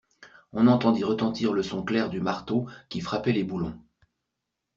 On entendit retentir le son clair du marteau qui frappait les boulons.